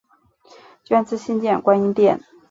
捐资新建观音殿。